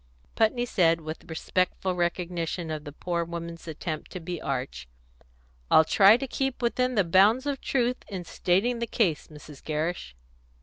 Putney said, with respectful recognition of the poor woman's attempt to be arch, "I'll try to keep within the bounds of truth in stating the case, Mrs. Gerrish."